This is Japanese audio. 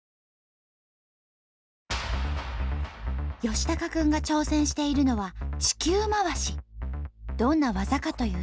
吉孝君が挑戦しているのはどんな技かというと。